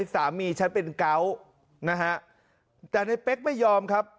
สามีฉันเป็นเกาะนะฮะแต่ในเป๊กไม่ยอมครับ